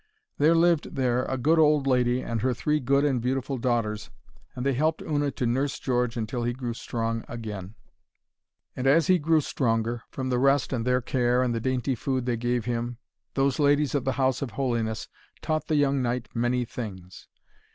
There lived there a good old lady and her three good and beautiful daughters, and they helped Una to nurse George until he grew strong again. And as he grew stronger, from the rest and their care and the dainty food they gave him, those ladies of the House of Holiness taught the young knight many things.